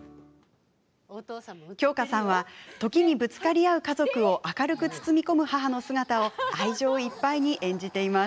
京香さんは時にぶつかり合う家族を明るく包み込む母の姿を愛情いっぱいに演じています。